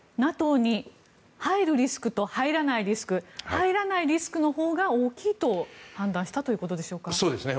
ＮＡＴＯに入るリスクと入らないリスク入らないリスクのほうが大きいと判断したということでしょうか。